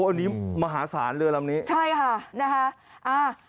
อันนี้มหาศาลเรือลำนี้ใช่ค่ะนะคะอ่า